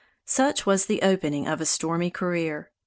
Such was the opening of a stormy career.